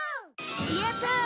やったー！